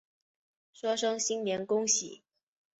说声新年恭喜